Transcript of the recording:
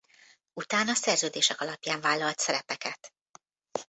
Utána szerződések alapján vállalt szerepeket.